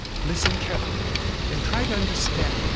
... Listen carefully and try to understand.